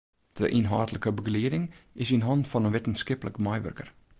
De ynhâldlike begelieding is yn hannen fan in wittenskiplik meiwurker.